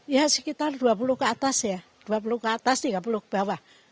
ya sekitar dua puluh ke atas ya dua puluh ke atas tiga puluh ke bawah